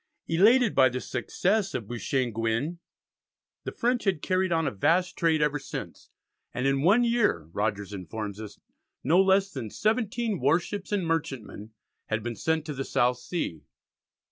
Elated by the success of Beauchesne Gouin, the French had carried on a vast trade ever since, and in one year, Rogers informs us, no less than seventeen warships and merchantmen had been sent to the South Sea.